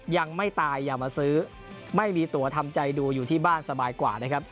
ยังไม่ตายอย่ามาซื้อไม่มีตัวทำใจดูอยู่ที่บ้านสบายกว่านะครับ